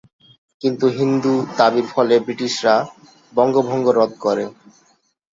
কিন্তু হিন্দু দাবীর ফলে ব্রিটিশরা বঙ্গভঙ্গ রদ করে।